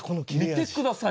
見てください